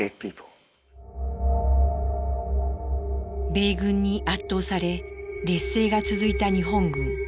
米軍に圧倒され劣勢が続いた日本軍。